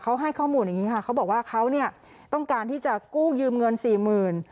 เขาให้ข้อมูลอย่างนี้ค่ะเขาบอกว่าเขาเนี่ยต้องการที่จะกู้ยืมเงินสี่หมื่น